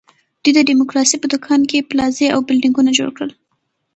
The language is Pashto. دوی د ډیموکراسۍ په دوکان کې پلازې او بلډینګونه جوړ کړل.